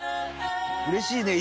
うれしいね！